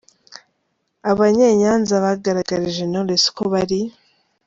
Abanye Nyanza bagaragarije Knowless ko bari.